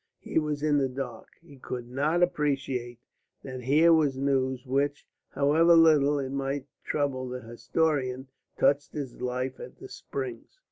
He was in the dark; he could not appreciate that here was news which, however little it might trouble the historian, touched his life at the springs.